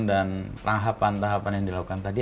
dan tahapan tahapan yang dilakukan tadi